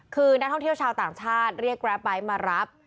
คือนักท่องเที่ยวชาวต่างชาติเรียกแกรปไบท์มารับ